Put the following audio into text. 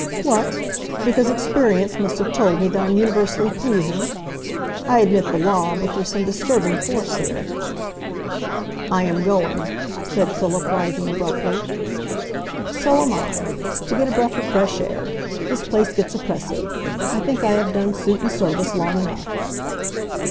"What! because experience must have told me that I'm universally pleasing? I admit the law, but there's some disturbing force here." "I am going," said Philip, rising abruptly. "So am I—to get a breath of fresh air; this place gets oppressive. I think I have done suit and service long enough."